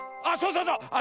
あっそうそうそう！